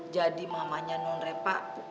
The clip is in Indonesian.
jadi mamanya nonrepa